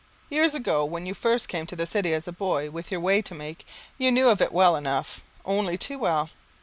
Years ago, when you first came to the city as a boy with your way to make, you knew of it well enough, only too well.